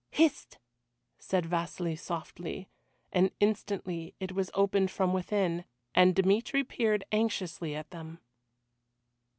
"Hist!" said Vasili softly, and instantly it was opened from within, and Dmitry peered anxiously at them.